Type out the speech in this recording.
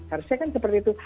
harusnya kan seperti itu